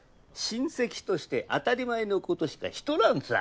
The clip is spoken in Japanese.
親戚として当たり前のことしかしとらんさ。